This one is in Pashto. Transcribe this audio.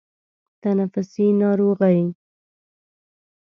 تنفسي ناروغۍ